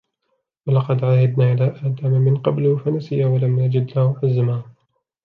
وَلَقَدْ عَهِدْنَا إِلَى آدَمَ مِنْ قَبْلُ فَنَسِيَ وَلَمْ نَجِدْ لَهُ عَزْمًا